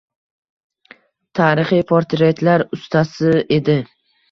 Tarixiy portretlar ustasi edi